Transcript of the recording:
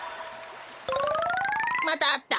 またあった。